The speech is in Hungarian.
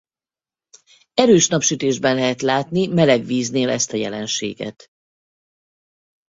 Erős napsütésben lehet látni meleg víznél ezt a jelenséget.